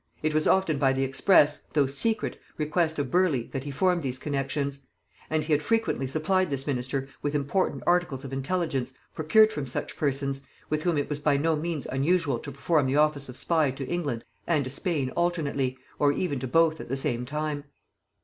It was often by the express, though secret, request of Burleigh that he formed these connexions; and he had frequently supplied this minister with important articles of intelligence procured from such persons, with whom it was by no means unusual to perform the office of spy to England and to Spain alternately, or even to both at the same time.